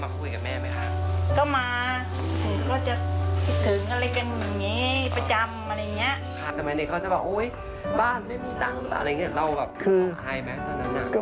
ซ้ายครับ